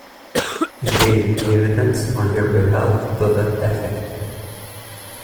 He gave evidence on her behalf to that effect.